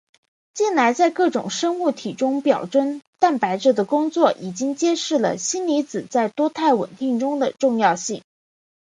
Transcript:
近来在各种生物体中表征蛋白质的工作已经揭示了锌离子在多肽稳定中的重要性。